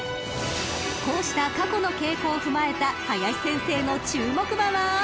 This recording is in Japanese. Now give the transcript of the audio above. ［こうした過去の傾向を踏まえた林先生の注目馬は］